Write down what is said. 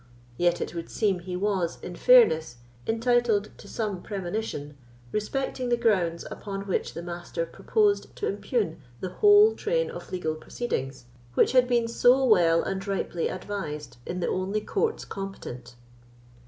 Yet it would seem he was, in fairness, entitled to some premonition respecting the grounds upon which the Master proposed to impugn the whole train of legal proceedings, which had been so well and ripely advised in the only courts competent."